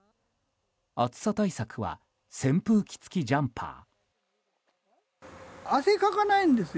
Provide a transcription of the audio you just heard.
暑さ対策は扇風機付きジャンパー。